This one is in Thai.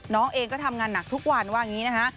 น้องเองก็ทำงานหนักทุกวันว่าอย่างนี้นะคะ